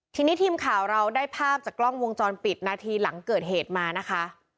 ทีนี้ทีมข่าวเราได้ภาพจากกล้องวงจรปิดนาทีหลังเกิดเหตุมานะคะ